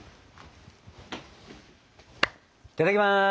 いただきます！